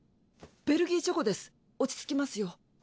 ベルギーチョコです落ち着きますよ。